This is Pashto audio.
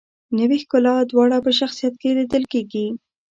نوې ښکلا دواړه په شخصیت کې لیدل کیږي.